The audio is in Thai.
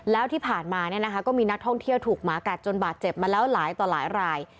แล้วที่ผ่านมาก็มีนักท่องเที่ยวถูกหมากัดจนบาดเจ็บมาแล้วหลายต่อหลายราย